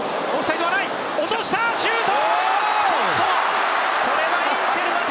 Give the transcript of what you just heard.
落とした、シュート！